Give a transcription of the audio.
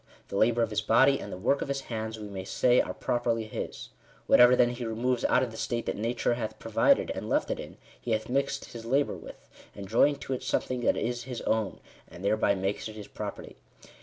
The labour of his body, and the work of his hands, we may say are properly his. Whatever then he removes out of the state that Digitized by VjOOQIC THE RIGHT OF PROPERTY. 127 nature hath provided and left it in, he hath mixed his labour with, and joined to it something that is his own, and thereby makes it his property.